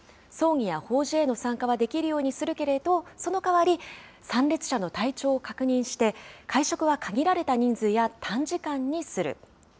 葬儀や法事への参加はできるようにするけれど、そのかわり、参列者の体調を管理して、会食は限られた人数や短時間にする。